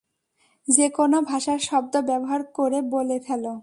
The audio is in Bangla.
যেকোনো ভাষার শব্দ ব্যবহার করে বলে ফেলো।